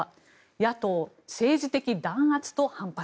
野党、政治的弾圧と反発。